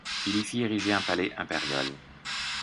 Il y fit ériger un palais impérial.